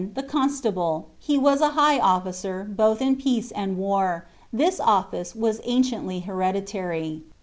The constable : he was a high officer, both in peace and war ; this a was anciently hereditary.